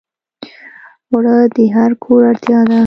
اوړه د هر کور اړتیا ده